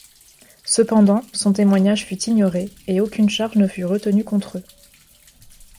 Cependant son témoignage fut ignoré et aucune charge ne fut retenue contre eux.